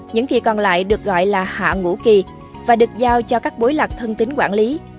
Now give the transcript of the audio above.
những kỳ còn lại được gọi là hạ ngũ kỳ và được giao cho các bối lạc thân tính quản lý